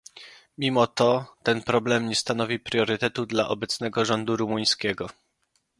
Mimo to ten problem nie stanowi priorytetu dla obecnego rządu rumuńskiego